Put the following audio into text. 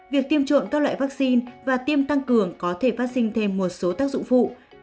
việc tiêm trộn các loại vaccine và tiêm tăng cường có thể phát sinh thêm một số tác dụng phụ